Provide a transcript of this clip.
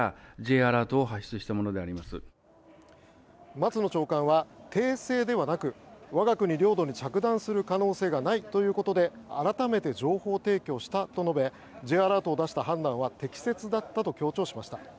松野長官は、訂正ではなく我が国領土に着弾する可能性がないということで改めて情報提供したと述べＪアラートを出した判断は適切だったと強調しました。